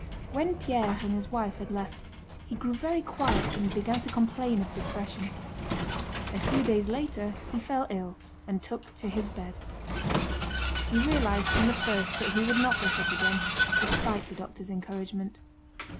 When Pierre and his wife had left, he grew very quiet and began to complain of depression. A few days later he fell ill and took to his bed. He realized from the first that he would not get up again, despite the doctor's encouragement.